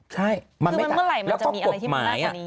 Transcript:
ใช่คือมันเมื่อไหร่มันจะมีอะไรที่มันมากกว่านี้